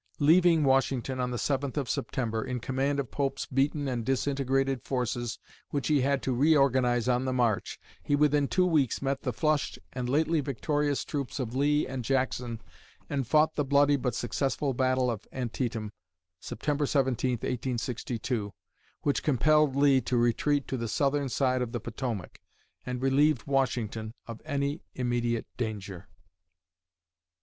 Leaving Washington on the 7th of September, in command of Pope's beaten and disintegrated forces which he had to reorganize on the march, he within two weeks met the flushed and lately victorious troops of Lee and Jackson and fought the bloody but successful battle of Antietam (September 17, 1862), which compelled Lee to retreat to the southern side of the Potomac, and relieved Washington of any immediate danger.